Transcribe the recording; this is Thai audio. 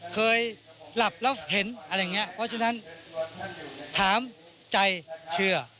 เคยหลับแล้วเห็นอะไรอย่างนี้เพราะฉะนั้นถามใจเชื่อ